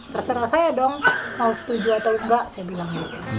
terserah saya dong mau setuju atau enggak saya bilang